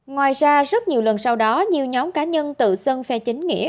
ngoài ra rất nhiều lần sau đó nhiều nhóm cá nhân tự xưng phe chính nghĩa